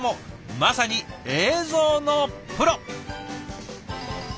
まさに映像のプロ。